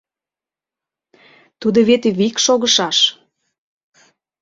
Тудо вет вик шогышаш.